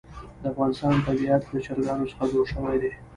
د افغانستان طبیعت له چرګانو څخه جوړ شوی دی.